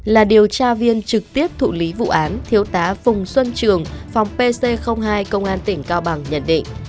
là điều tra viên trực tiếp thụ lý vụ án thiếu tá phùng xuân trường phòng pc hai công an tỉnh cao bằng nhận định